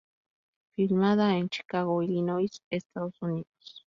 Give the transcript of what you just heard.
Filmada en Chicago, Illinois, Estados Unidos.